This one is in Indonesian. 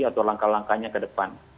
atau langkah langkahnya kedepan